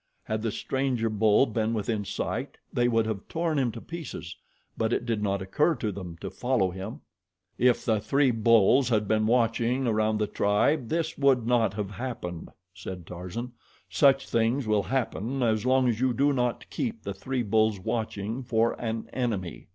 Had the stranger bull been within sight they would have torn him to pieces; but it did not occur to them to follow him. "If the three bulls had been watching around the tribe this would not have happened," said Tarzan. "Such things will happen as long as you do not keep the three bulls watching for an enemy.